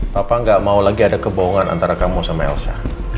papa gak mau lagi ada kebohongan antara kamu sama elsa